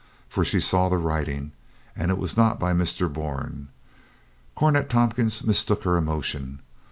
For she saw the writing, and it was not by Mr. Bourne. Cornet Tompkins mistook her emotion.